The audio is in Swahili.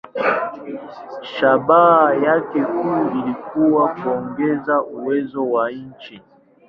Shabaha yake kuu ilikuwa kuongeza uwezo wa nchi.